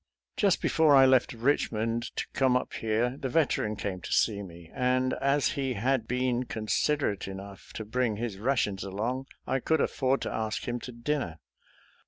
Just before I left Richmond to come up here the Veteran came to see me, and, as he had been considerate enough to bring his rations along, I could afford to ask him to dinner.